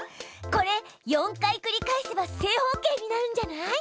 これ４回繰り返せば正方形になるんじゃない？